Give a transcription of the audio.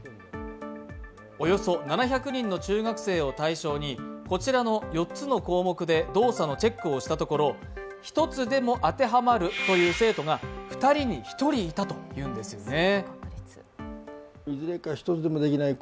およそ７００人の中学生を対象に、こちらの４つの項目で動作のチェックをしたところ１つでも当てはまるという生徒が２人に１人いたというんですよね。